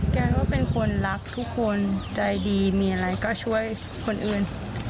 แกก็เป็นคนรักทุกคนใจดีมีอะไรก็ช่วยคนอื่น